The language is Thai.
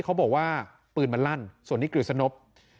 เขาบอกว่าปืนลั่นส่วนนี้กริดสนบ